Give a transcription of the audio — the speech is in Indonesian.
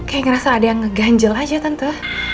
kayak ngerasa ada yang ngeganjel aja tentu